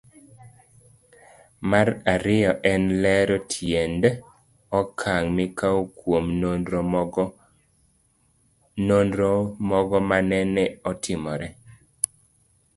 Mar ariyo en lero tiend okang' mikawo kuom nonro mogo manene otimore